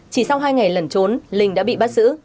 chỉ sau hai ngày lẩn trốn linh đã bị bắt giữ